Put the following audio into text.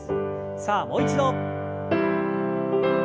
さあもう一度。